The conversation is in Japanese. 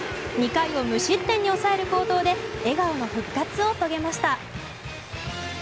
２回を無失点に抑える好投で笑顔の復活を遂げました。